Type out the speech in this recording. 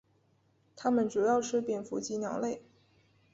它们主要吃蝙蝠及鸟类。